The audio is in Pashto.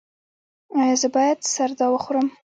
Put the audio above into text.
ایا زه باید سردا وخورم؟